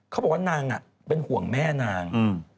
เขาบอกว่านางเป็นห่วงแม่นาง